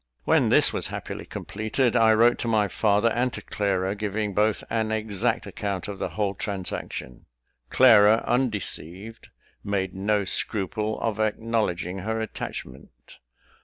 When this was happily completed, I wrote to my father and to Clara, giving both an exact account of the whole transaction. Clara, undeceived, made no scruple of acknowledging her attachment.